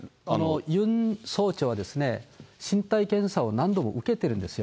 ユン総長は、身体検査を何度も受けてるんですよ。